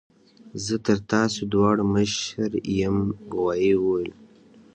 زه تر تاسو دواړو مشر یم غوايي وویل.